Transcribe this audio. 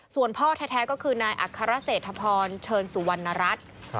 ส่วนพ่อแท้ก็คือนายอัครเศรษฐพรเชิญสุวรรณรัฐ